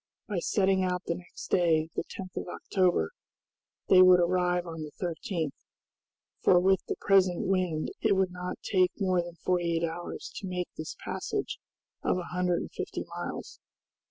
By setting out the next day, the 10th of October, they would arrive on the 13th, for with the present wind it would not take more than forty eight hours to make this passage of a hundred and fifty miles.